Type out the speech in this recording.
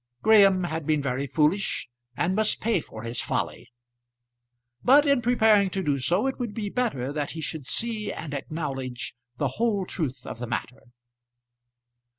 Graham had been very foolish, and must pay for his folly. But in preparing to do so, it would be better that he should see and acknowledge the whole truth of the matter.